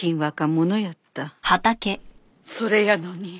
それやのに。